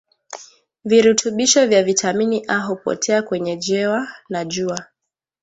virutubisho vya vitamin A huppotea kwenye jewa na jua